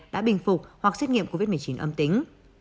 đã bình phục hoặc xét nghiệm covid một mươi chín âm tính